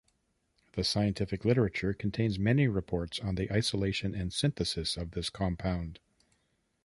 The scientific literature contains many reports on the isolation and synthesis of this compound.